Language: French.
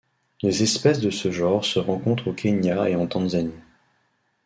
Les espèces de ce genre se rencontrent au Kenya et en Tanzanie.